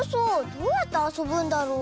どうやってあそぶんだろう。